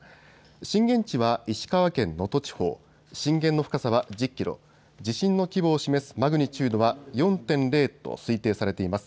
震源地は石川県能登地方、震源の深さは１０キロ、地震の規模を示すマグニチュードは４．０と推定されています。